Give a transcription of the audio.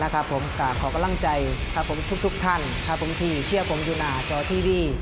ขอกำลังใจทุกท่านที่เชื่อผมอยู่หน้าจอทีวี